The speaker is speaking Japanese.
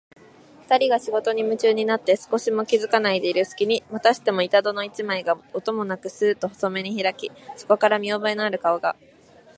ふたりが仕事にむちゅうになって少しも気づかないでいるすきに、またしても板戸の一枚が、音もなくスーッと細めにひらき、そこから見おぼえのある顔が、